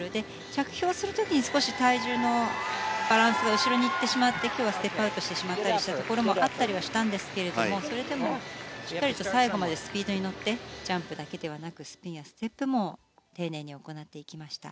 着氷をする時に少し体重のバランスが後ろにいってしまって今日はステップアウトしてしまったところもあるんですがしっかりと最後までスピードに乗ってジャンプだけでなくスピンやステップも丁寧に行っていきました。